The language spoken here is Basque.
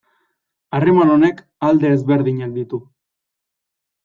Harreman honek alde ezberdinak ditu.